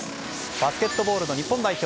バスケットボールの日本代表